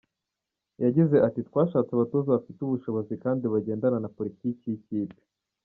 Yagize ati “Twashatse abatoza bafite ubushobozi kandi bagendana na politiki y’ikipe.